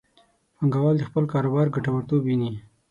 پانګوال د خپل کاروبار ګټورتوب ویني.